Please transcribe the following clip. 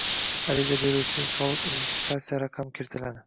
Ariza beruvchining soliq identifikatsiya raqami kiritiladi.